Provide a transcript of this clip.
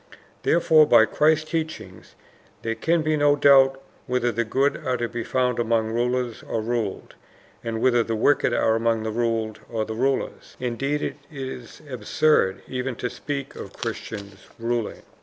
Therefore by Christ's teaching there can be no doubt whether the good are to be found among rulers or ruled, and whether the wicked are among the ruled or the rulers. Indeed it is absurd even to speak of Christians ruling.